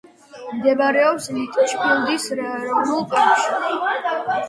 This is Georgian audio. მდებარეობს ლიტჩფილდის ეროვნულ პარკში.